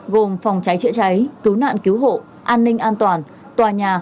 gồm phòng cháy chữa cháy cứu nạn cứu hộ an ninh an toàn tòa nhà